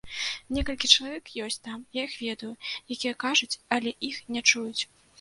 Некалькі чалавек ёсць там, я іх ведаю, якія кажуць, але іх не чуюць.